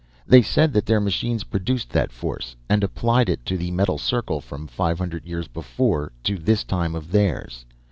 They said that their machines produced that force and applied it to the metal circle from five hundred years before to this time of theirs.